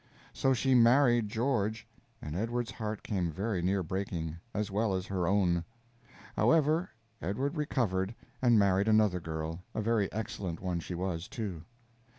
So she married George, and Edward's heart came very near breaking, as well as her own. However, Edward recovered, and married another girl a very excellent one she was, too.